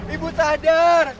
ibu tak ada